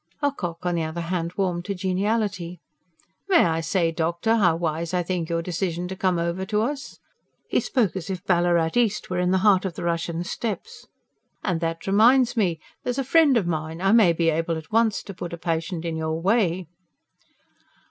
Ocock on the other hand warmed to geniality. "May I say, doctor, how wise I think your decision to come over to us?" He spoke as if Ballarat East were in the heart of the Russian steppes. "And that reminds me. There's a friend of mine.... I may be able at once to put a patient in your way."